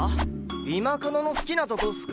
今カノの好きなとこっすか？